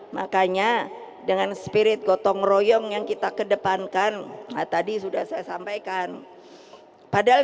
makanya dengan spirit gotong royong yang kita kedepankan tadi sudah saya sampaikan padahal